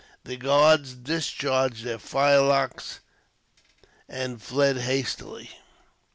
The guards discharged their firelocks, and fled hastily.